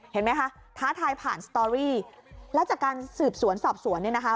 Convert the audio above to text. เห็นไหมคะท้าทายผ่านสตอรี่แล้วจากการสืบสวนสอบสวนเนี่ยนะคะ